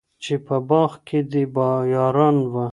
چي په باغ کي دي یاران وه